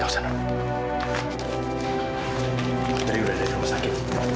tadi udah ada di rumah sakit